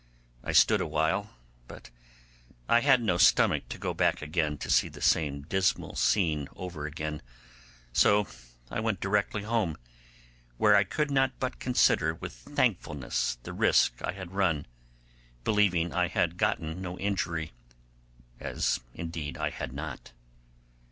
I stood a while, but I had no stomach to go back again to see the same dismal scene over again, so I went directly home, where I could not but consider with thankfulness the risk I had run, believing I had gotten no injury, as indeed I had not.